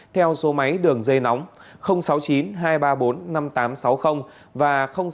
theo số máy đường dây nóng sáu mươi chín hai trăm ba mươi bốn năm nghìn tám trăm sáu mươi và sáu mươi chín hai trăm ba mươi hai một nghìn sáu trăm